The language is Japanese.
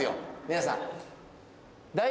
皆さん何？